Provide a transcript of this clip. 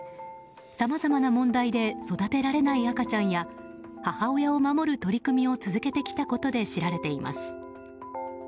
さまざまな問題で育てられない赤ちゃんや母親を守る取り組みを続けてきたことで知られています。